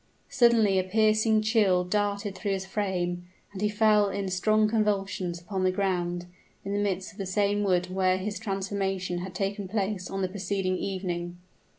Suddenly a piercing chill darted through his frame, and he fell in strong convulsions upon the ground, in the midst of the same wood where his transformation had taken place on the preceding evening.